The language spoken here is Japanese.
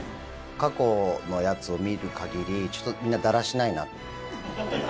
過去のやつを見るかぎり、ちょっとみんなだらしないなって。